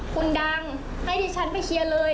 คุณดังให้ดิฉันไปเคลียร์เลย